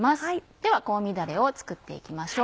では香味だれを作って行きましょう。